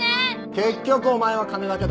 結局お前は金だけだ。